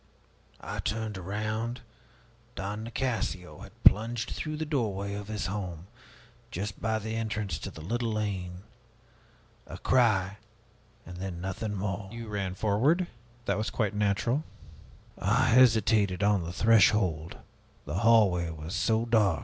I turned around Don Nicasio had plunged through the doorway of his home just by the entrance to the little lane. A cry! then nothing more!" "You ran forward? That was quite natural." "I hesitated on the threshold the hallway was so dark."